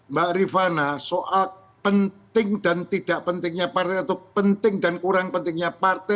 mbak rifana soal penting dan tidak pentingnya partai atau penting dan kurang pentingnya partai